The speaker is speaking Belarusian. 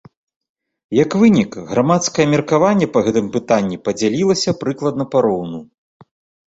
Як вынік, грамадскае меркаванне па гэтым пытанні падзялілася прыкладна пароўну.